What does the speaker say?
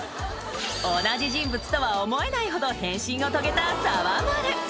［同じ人物とは思えないほど変身を遂げたさわまる］